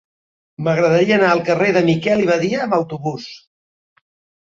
M'agradaria anar al carrer de Miquel i Badia amb autobús.